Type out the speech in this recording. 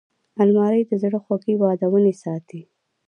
الماري د زړه خوږې یادونې ساتي